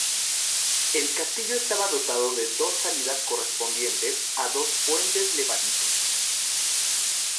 El castillo estaba dotado de dos salidas correspondientes a dos puentes levadizos.